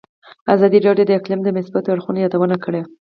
ازادي راډیو د اقلیم د مثبتو اړخونو یادونه کړې.